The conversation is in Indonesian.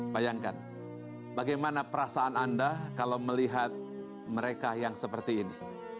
bayangkan bagaimana perasaan anda kalau melihat mereka yang seperti ini